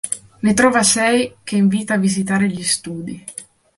Ne trova sei che invita a visitare gli studi.